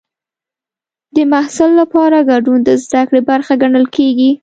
د محصل لپاره ګډون د زده کړې برخه ګڼل کېږي.